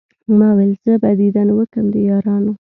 ما ول زه به ديدن وکم د يارانو